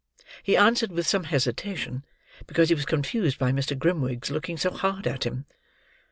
He answered with some hesitation, because he was confused by Mr. Grimwig's looking so hard at him.